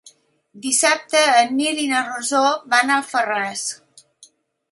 Dissabte en Nil i na Rosó van a Alfarràs.